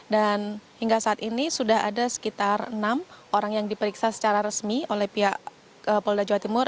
dan hingga saat ini sudah ada sekitar enam orang yang diperiksa secara resmi oleh pihak polda jawa timur